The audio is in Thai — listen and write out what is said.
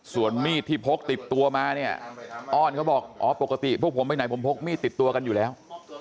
ส่วนมีดที่พบติบตัวมานี่ออนก็บอกปกติพวกผมไหนเดี๋ยวพกมีดติบตัวกันอยู่แล้ว